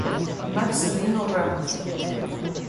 Marcelino Ramos